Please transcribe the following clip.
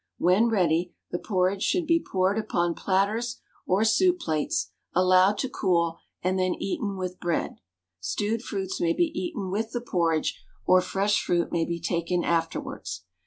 When ready, the porridge should be poured upon platters or soup plates, allowed to cool, and then eaten with bread. Stewed fruits may be eaten with the porridge, or fresh fruit may be taken afterwards.